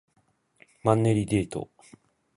マンネリデート